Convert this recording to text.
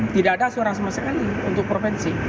tidak ada suara sama sekali untuk provinsi